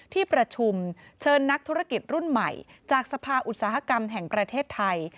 ที่ประชุมเชิญนักธุรกิจรุ่นใหม่จากสภาอุตสาหกรรมแห่งประเทศไทย